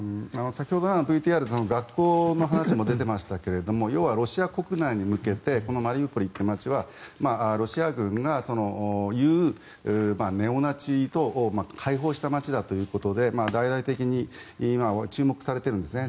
先ほど、ＶＴＲの学校の話にも出てましたが要はロシア国内に向けてこのマリウポリという街はロシア軍が言う、ネオナチと解放した街だということで大々的に今、注目されているんですね。